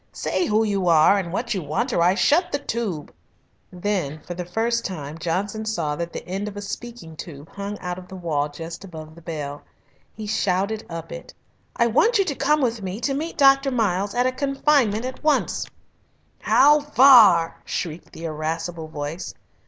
"Say who you are and what you want or I shut the tube." Then for the first time Johnson saw that the end of a speaking tube hung out of the wall just above the bell. He shouted up it, "I want you to come with me to meet Dr. Miles at a confinement at once." "How far?" shrieked the irascible voice.